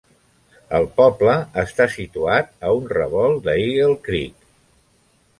El poble està situat a un revolt de Eagle Creek.